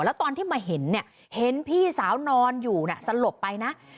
แล้วตอนที่มาเห็นเนี่ยเห็นพี่สาวนอนอยู่สลบไปนะ